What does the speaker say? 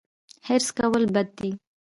حرص کول بد دي